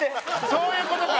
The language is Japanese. そういう事か。